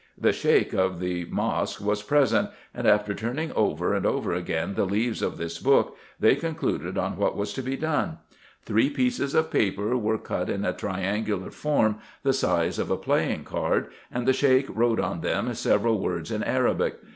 The Sheik of the mosque was present ; and, after turn ing over and over again the leaves of this book, they concluded on what was to be done. Three pieces of paper were cut in a trian gular form, the size of a playing card, and the Sheik wrote on them several words in Arabic.